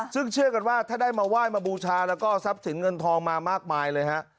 ซึ่งเชื่อกันว่าถ้าได้มาไหว้มาบูชาแล้วก็ทรัพย์สินเงินทองมามากมายเลยฮะ